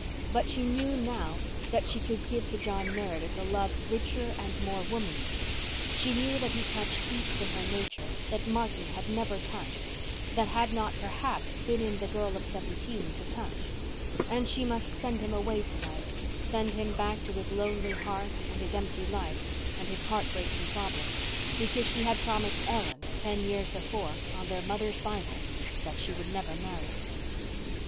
But she knew now that she could give to John Meredith a love richer and more womanly. She knew that he touched deeps in her nature that Martin had never touched—that had not, perhaps, been in the girl of seventeen to touch. And she must send him away to night—send him back to his lonely hearth and his empty life and his heart breaking problems, because she had promised Ellen, ten years before, on their mother's Bible, that she would never marry.